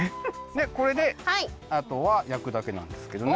でこれであとは焼くだけなんですけどね